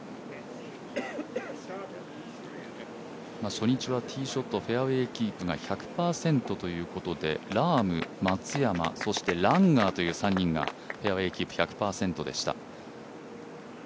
初日はティーショットフェアウエーキープが１００％ということで、ラーム、松山、そしてランガーという３人がフェアウエーキープ１００％でした。